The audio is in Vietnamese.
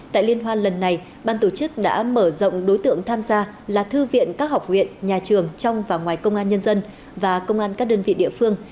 tại liên hoan lần này ban tổ chức đã mở rộng đối tượng tham gia là thư viện các học viện nhà trường trong và ngoài công an nhân dân và công an các đơn vị địa phương